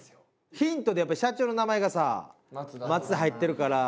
ヒントでやっぱり社長の名前がさ「松」入ってるからこれでいった。